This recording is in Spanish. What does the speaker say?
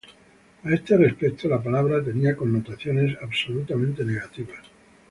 A este respecto, la palabra tenía connotaciones absolutamente negativas.